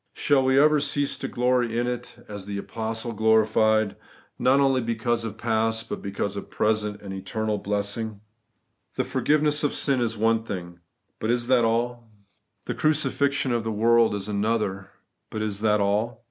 Shall we ever cease to glory in it (as the apostle gloried), not only because of past, but because of present and eternal blessing ? The forgiveness of sin is one thing ; but is that aU ? The Declaration of the Completeness. 6 5 The crucifixion of the world is another; but is that all